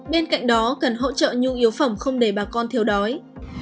bên cạnh đó cần hỗ trợ nhu yếu phẩm không để bà con thiếu đói